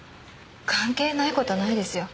関係ない事ないですよ。